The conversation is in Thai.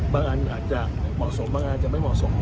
อันอาจจะเหมาะสมบางอันจะไม่เหมาะสม